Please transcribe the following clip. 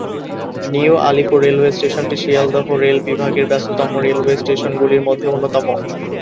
New Alipur railway স্টেশনটি Sealdah rail বিভাগের ব্যস্ততম রেলওয়ে স্টেশনগুলির মধ্যে অন্যতম।